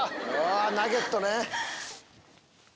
ナゲットね！